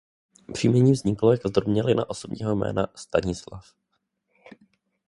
Příjmení vzniklo jako zdrobnělina osobního jména Stanislav.